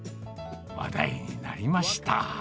話題になりました。